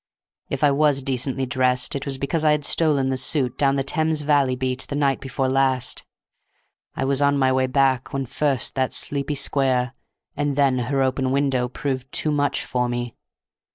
If I was decently dressed it was because I had stolen the suit down the Thames Valley beat the night before last. I was on my way back when first that sleepy square, and then her open window, proved too much for me.